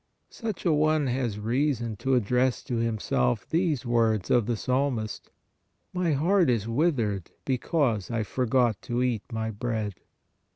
Such a one has reason to address to himself these words of the psalmist :" My heart is withered, because I forgot to eat my bread" (Ps.